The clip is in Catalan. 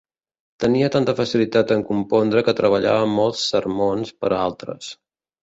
Tenia tanta facilitat en compondre que treballava molts sermons per a altres.